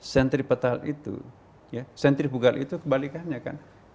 sentripetal itu sentrifugal itu kebalikannya kan